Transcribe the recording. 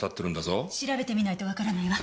調べてみないとわからないわ。